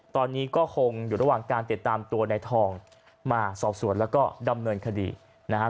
ตอนนี้ก็คงอยู่ระหว่างการติดตามตัวในทองมาสอบสวนแล้วก็ดำเนินคดีนะครับ